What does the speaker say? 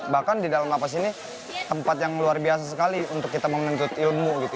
bahkan di dalam lapas ini tempat yang luar biasa sekali untuk kita menuntut ilmu gitu